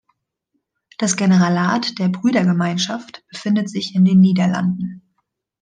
Das Generalat der Brüdergemeinschaft befindet sich in den Niederlanden.